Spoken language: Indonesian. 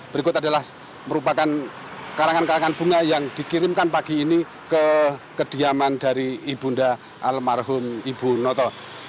berikut adalah merupakan karangan karangan bunga yang dikirimkan pagi ini ke kediaman dari ibunda almarhum ibu noto